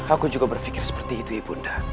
aku juga berpikir seperti itu ibu nda